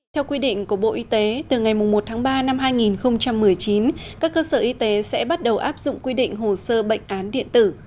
theo quy định của bộ y tế từ ngày một tháng ba năm hai nghìn một mươi chín các cơ sở y tế sẽ bắt đầu áp dụng quy định hồ sơ bệnh án điện tử